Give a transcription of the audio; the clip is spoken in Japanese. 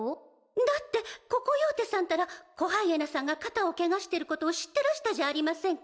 だって子コヨーテさんたら子ハイエナさんが肩をケガしてることを知ってらしたじゃありませんか。